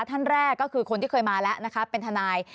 ท่านแรกก็คือคนที่เคยมาแล้วนะคะเป็นทนาย